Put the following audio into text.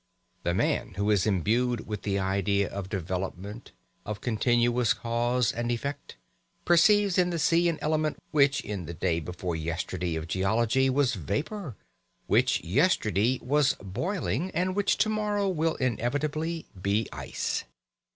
The man who is imbued with the idea of development, of continuous cause and effect, perceives in the sea an element which in the day before yesterday of geology was vapour, which yesterday was boiling, and which to morrow will inevitably be ice.